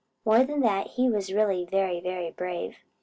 More than that, he was really very, very brave.